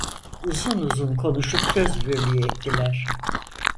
Uzun uzun konuşup sözbirliği ettiler.